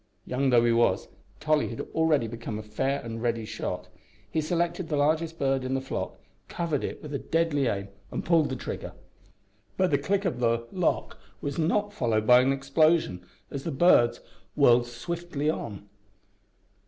Young though he was, Tolly had already become a fair and ready shot. He selected the largest bird in the flock, covered it with a deadly aim, and pulled the trigger. But the click of the lock was not followed by an explosion as the birds whirred swiftly on.